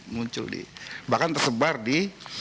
muncul di bahkan tersebar di